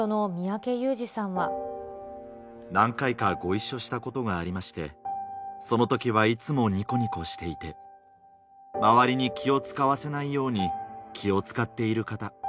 何回か、ご一緒したことがありまして、そのときはいつもにこにこしていて、周りに気を遣わせないように、気を使っている方。